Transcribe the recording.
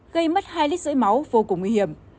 gây mất hai lít rưỡi máu vô cùng nguy hiểm